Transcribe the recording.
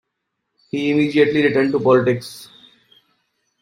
He immediately returned to politics.